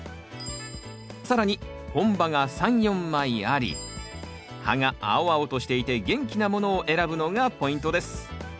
更に本葉が３４枚あり葉が青々としていて元気なものを選ぶのがポイントです。